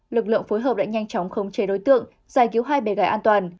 lực lượng phối hợp đã nhanh chóng khống chế đối tượng giải cứu hai bé gái an toàn